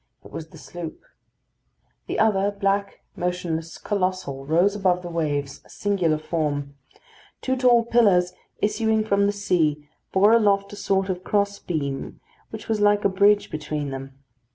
It was the sloop. The other, black, motionless, colossal, rose above the waves, a singular form. Two tall pillars issuing from the sea bore aloft a sort of cross beam which was like a bridge between them.